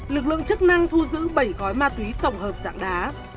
lực lượng chức năng thu giữ bảy gói ma túy tổng hợp dạng đá